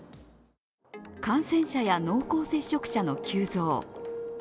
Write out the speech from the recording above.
感染者や濃厚接触者の急増。